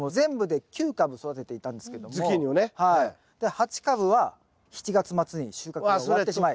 ８株は７月末に収穫が終わってしまい。